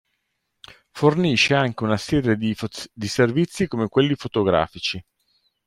Fornisce anche una serie di servizi come quelli fotografici.